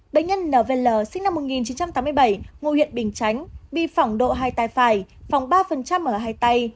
bệnh nhân l v l sinh năm một nghìn chín trăm tám mươi bảy ngụ huyện bình chánh bị phỏng độ hai tay phải phỏng ba ở hai tay